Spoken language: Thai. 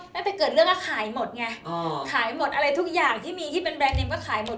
ตั้งแต่เกิดเรื่องก็ขายหมดไงขายหมดอะไรทุกอย่างที่มีที่เป็นแรนดนิมก็ขายหมด